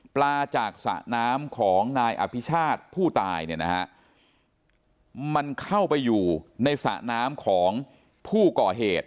จากสระน้ำของนายอภิชาติผู้ตายเนี่ยนะฮะมันเข้าไปอยู่ในสระน้ำของผู้ก่อเหตุ